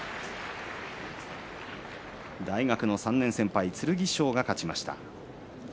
大学の３年先輩剣翔が勝ちました。